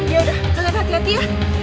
yaudah jangan hati hati ya